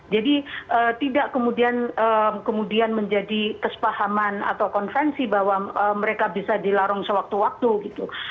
jadi tidak kemudian menjadi kesepahaman atau konvensi bahwa mereka bisa dilarung sewaktu waktu gitu